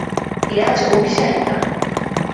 এ আজ অভিসারিকা।